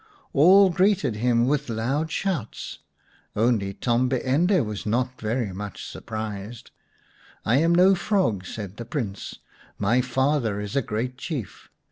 All greeted him with loud shouts; only Tombi ende was not so very much surprised. " I am no frog," said the Prince, " my father is a great Chief.